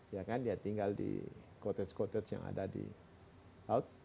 ya kan dia tinggal di kotets kotets yang ada di laut